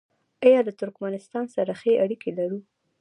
آیا له ترکمنستان سره ښې اړیکې لرو؟